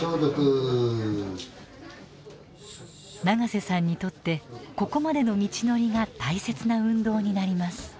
長瀬さんにとってここまでの道のりが大切な運動になります。